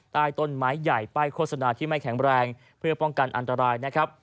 ใต้ต้นไม้ใหญ่ป้ายโฆษณาที่ไม่แข็งแรงเพื่อป้องกันอันตรายนะครับ